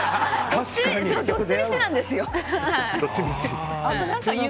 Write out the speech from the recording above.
どっちみちなんですよ。